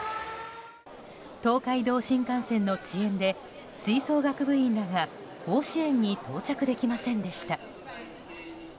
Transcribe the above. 東海道新幹線の遅延で吹奏楽部員らが甲子園に到着できませんでした。